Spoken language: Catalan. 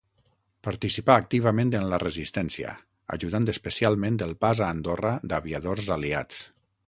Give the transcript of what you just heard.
Participà activament en la resistència, ajudant especialment el pas a Andorra d'aviadors aliats.